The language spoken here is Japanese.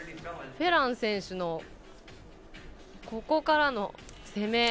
フェラン選手のここからの攻め。